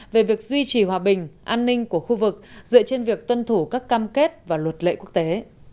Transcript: về việc duy trì hòa bình an ninh của khu vực dựa trên việc tuân thủ các cam kết và luật lệ quốc tế